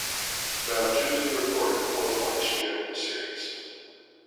Bertuzzi recorded four points during the series.